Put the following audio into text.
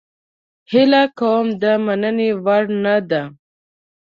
هیله کوم د مننې وړ نه ده